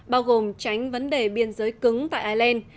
bao gồm tránh vấn đề biên giới cứng tại ireland